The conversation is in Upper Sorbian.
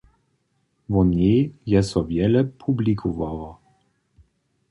Wo njej je so wjele publikowało.